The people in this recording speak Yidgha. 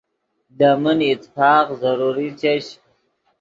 لے من اتفاق ضروری چش